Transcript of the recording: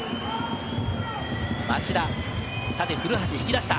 町田、縦、古橋引き出した！